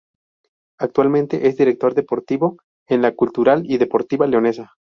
Actualmente es Director Deportivo en la Cultural y Deportiva Leonesa.